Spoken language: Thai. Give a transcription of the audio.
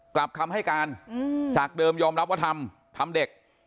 กลับคำให้การจากเดิมยอมรับว่าทำทำเด็ก